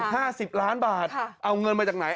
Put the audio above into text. ห้าสิบล้านบาทค่ะเอาเงินมาจากไหน